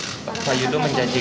pak yudo menjanjikan